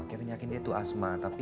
kevin yakin dia itu asma tapi